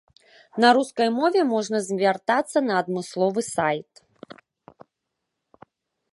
На рускай мове можна звяртацца на адмысловы сайт.